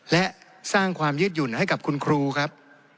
และสร้างความยืดหยุ่นให้กับคุณครูครับ